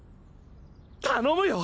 頼むよ！